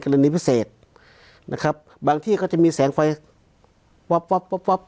กรรณีพิเศษนะครับบางที่ก็จะมีแสงไฟป๊อปป๊อปป๊อป